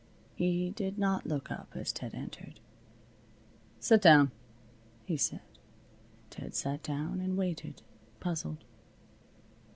He did not look up as Ted entered. "Sit down," he said. Ted sat down and waited, puzzled.